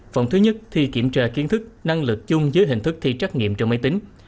phần thứ nhất thi kiểm tra kiến thức năng lực chung dưới hình thức thi trắc nghiệm trong máy tính